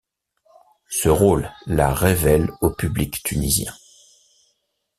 Ce rôle la révèle au public tunisien.